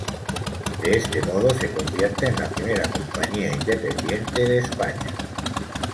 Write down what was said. De este modo se convierte en la primera compañía independiente de España.